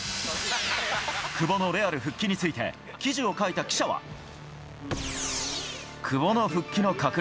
久保のレアル復帰について記事を書いた記者は。